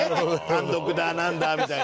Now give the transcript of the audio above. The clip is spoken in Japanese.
単独だなんだみたいな。